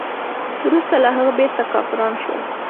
وروسته له هغه بیرته کافران شول.